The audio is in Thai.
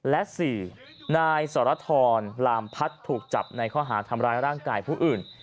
และ๔นายสรทรลามพัฒน์ถูกจับในข้อหาทำร้ายร่างกายผู้อื่น